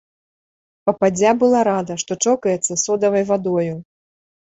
Пападдзя была рада, што чокаецца содавай вадою.